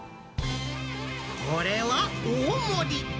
これは大盛り。